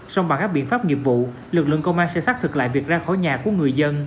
song bằng các biện pháp nghiệp vụ lực lượng công an sẽ xác thực lại việc ra khỏi nhà của người dân